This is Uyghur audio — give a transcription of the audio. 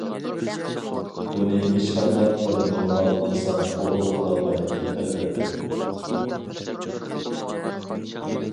بۇنى ھېچقانداق بىر نورمال ئىنسان قوبۇل قىلالمايتتى، ئەلۋەتتە!